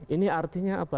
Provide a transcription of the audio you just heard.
ini artinya apa